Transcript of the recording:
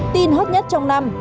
tin hot nhất trong năm